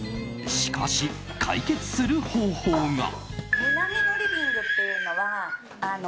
しかし解決する方法が。